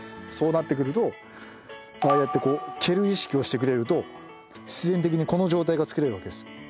そうなってくるとああやって蹴る意識をしてくれると必然的にこの状態がつくれるわけです。